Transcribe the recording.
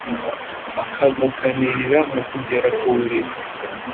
akagukanirira mukgera ku buriri